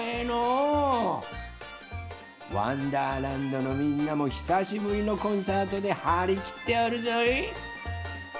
どのみんなもひさしぶりのコンサートではりきっておるぞい！